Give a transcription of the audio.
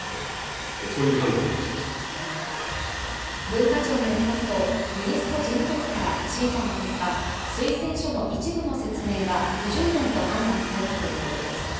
文化庁によりますとユネスコ事務局から審査の結果、推薦書の一部の説明が不十分と判断されたということです。